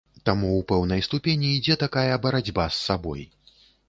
Таму ў пэўнай ступені ідзе такая барацьба з сабой.